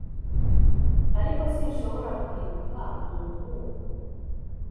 ariko sinshobora kwibuka umuntu